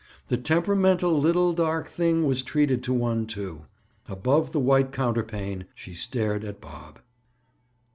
The temperamental, little dark thing was treated to one, too. Above the white counterpane, she stared at Bob.